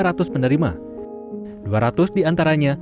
dua ratus diantaranya penerima yang berada di kampung pasir sembung